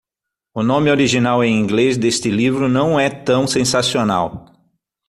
O nome original em inglês deste livro não é tão sensacional.